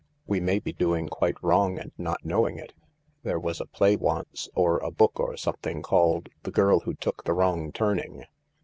We may be doing quite wrong and not knowing it. There was a play once, or a book or something, called ' The Girl Who Took the Wrong Turning.'